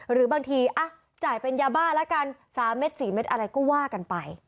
หรือบางทีจ่ายเป็นยาบ้าแล้วกัน๓เม็ด๔เม็ดอะไรก็ว่ากันไป